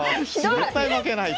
絶対負けないと。